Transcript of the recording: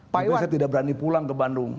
jadi saya tidak berani pulang ke bandung